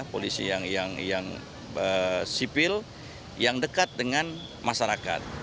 polisi yang sipil yang dekat dengan masyarakat